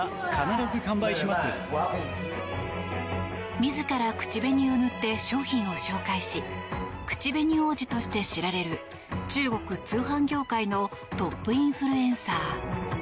自ら口紅を塗って商品を紹介し口紅王子として知られる中国通販業界のトップインフルエンサー。